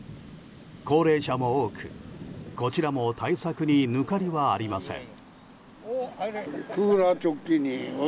高齢者も多く、こちらも対策に抜かりはありません。